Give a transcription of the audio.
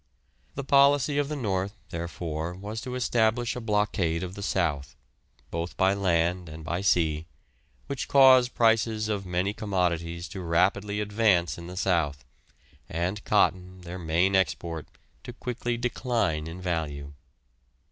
The policy of the north was, therefore, to establish a blockade of the south, both by land and by sea, which caused prices of many commodities to rapidly advance in the south, and cotton, their main export, to quickly decline in value.